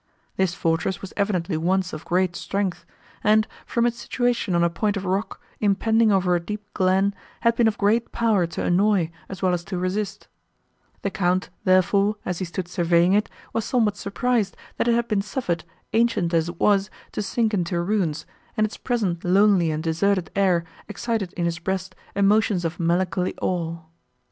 This fortress was evidently once of great strength, and, from its situation on a point of rock, impending over a deep glen, had been of great power to annoy, as well as to resist; the Count, therefore, as he stood surveying it, was somewhat surprised, that it had been suffered, ancient as it was, to sink into ruins, and its present lonely and deserted air excited in his breast emotions of melancholy awe.